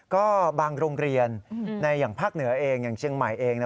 ก็บางโรงเรียนในอย่างภาคเหนือเองอย่างเชียงใหม่เอง